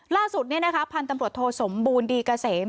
ล่าสุดพันธุ์ตำรวจโทสมบูรณ์ดีเกษม